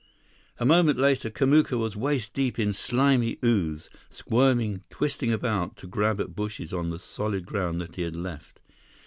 A moment later, Kamuka was waist deep in slimy ooze, squirming, twisting about to grab at bushes on the solid ground that he had left.